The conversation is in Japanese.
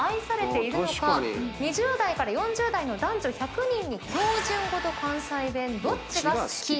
２０代から４０代の男女１００人に標準語と関西弁どっちが好き？